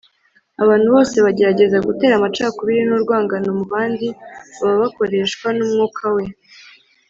abantu bose bagerageza gutera amacakubiri n’urwangano mu bandi baba bakoreshwa n’umwuka we